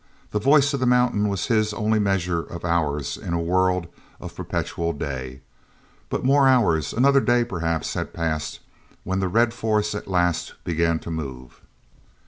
The voice of the mountain was his only measure of hours in a world of perpetual day. But more hours—another day, perhaps—had passed when the Red force at last began to move.